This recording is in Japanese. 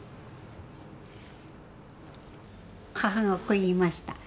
母がこう言いました。